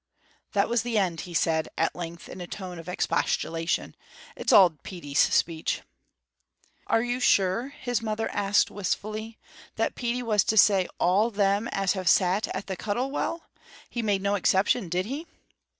"That was the end," he said, at length, in a tone of expostulation; "it's auld Petey's speech." "Are you sure," his mother asked wistfully, "that Petey was to say all them as have sat at the Cuttle Well? He made no exception, did he?"